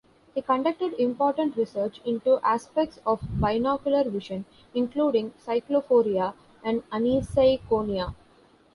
He conducted important research into aspects of binocular vision, including cyclophoria and aniseikonia.